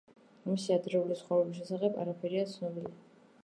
მისი ადრეული ცხოვრების შესახებ არაფერია ცნობილი.